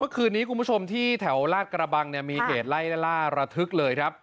เมื่อคืนนี้ที่แถวลาดกระบังมีเหตุไล่ล่าระทึกเลยครับ